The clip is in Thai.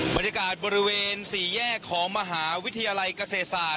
บรรยากาศบริเวณ๔แยกของมหาวิทยาลัยเกษตรศาสต